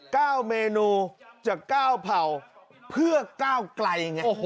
เก้าเมนูจากเก้าเผ่าเพื่อก้าวไกลไง